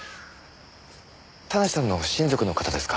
田無さんの親族の方ですか？